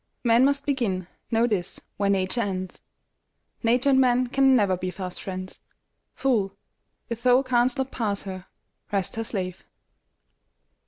Man must begin, know this, where Nature ends; Nature and man can never be fast friends. Fool, if thou canst not pass her, rest her slave!